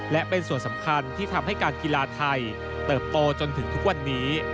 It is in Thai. และเป็นส่วนสำคัญที่ทำให้การกีฬาไทยเติบโตจนถึงทุกวันนี้